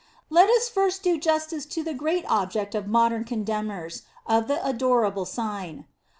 Let us first do justice to the great object of modern contemners of the adorable Sign.